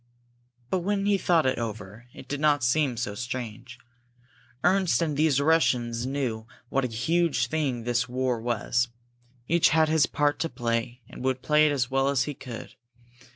But when he thought it over, it did not seem so strange. Ernst and these Russians knew what a huge thing this war was. Each had his part to play, and would play it as well as he could.